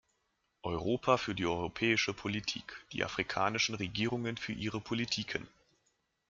Europa für die europäische Politik, die afrikanischen Regierungen für ihre Politiken.